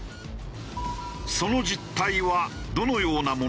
その実態はどのようなものなのか？